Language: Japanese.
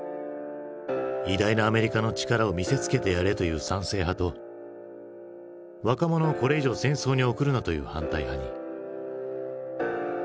偉大なアメリカの力を見せつけてやれという賛成派と若者をこれ以上戦争に送るなという反対派に。